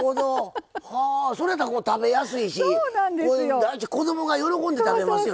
それやと食べやすいし子供が喜んで食べますよね。